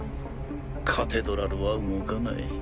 カテドラルは動かない。